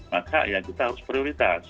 maka ya kita harus prioritas